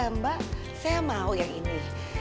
mbak saya mau yang ini